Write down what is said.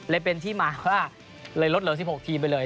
เลยเป็นที่มาว่าเลยลดเหลือ๑๖ทีมไปเลย